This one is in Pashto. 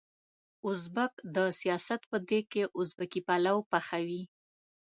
ازبک د سياست په دېګ کې ازبکي پلو پخوي.